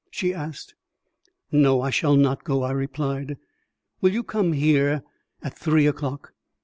she asked. "No; I shall not go," I replied. "Will you come here at three o'clock?"